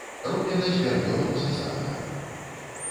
Рублена з бярвёнаў з астаткам.